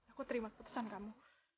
aku terima keputusan kamu